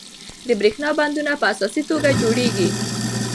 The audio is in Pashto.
د بریښنا بندونه په اساسي توګه جوړیږي.